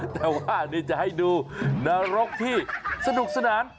แต่ว่านี่จะให้ดูนรกที่สนุกสนาน